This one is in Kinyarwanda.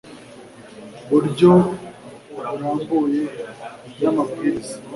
buryo burambuye n amabwiriza